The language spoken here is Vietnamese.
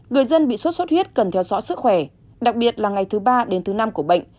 người dân bị sốt xuất huyết cần theo dõi sức khỏe đặc biệt là ngày thứ ba đến thứ năm của bệnh